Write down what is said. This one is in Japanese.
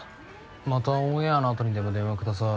またオンエアのあとにでも電話ください。